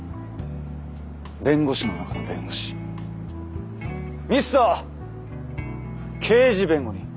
弁護士の中の弁護士ミスター刑事弁護人。